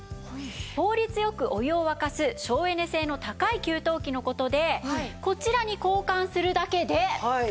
効率よくお湯を沸かす省エネ性の高い給湯器の事でこちらに交換するだけで。